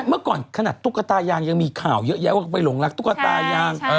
เมื่อก่อนขนาดตุ๊กตายางยังมีข่าวเยอะแยะว่าไปหลงรักตุ๊กตายาง